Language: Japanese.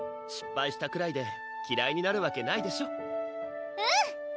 失敗したくらいできらいになるわけないでしょうん！